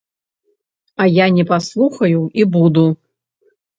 А я не паслухаю і буду.